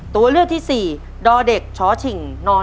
ตัวเลือกที่สี่ดอเด็กชอชิงนอนู